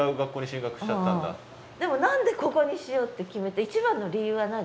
でも何でここにしようって決めた一番の理由は何？